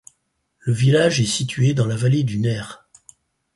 Le village est situé dans la vallée du Ner.